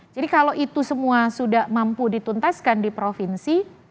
jadi kalau itu semua sudah mampu dituntaskan di provinsi